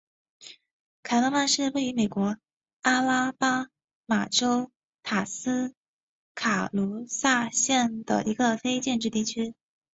凯勒曼是位于美国阿拉巴马州塔斯卡卢萨县的一个非建制地区。